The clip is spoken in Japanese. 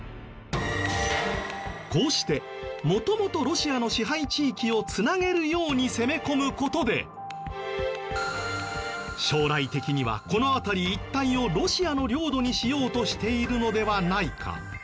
こうして元々ロシアの支配地域を繋げるように攻め込む事で将来的にはこの辺り一帯をロシアの領土にしようとしているのではないか。